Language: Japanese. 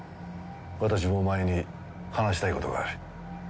私もお前に話したいことがある。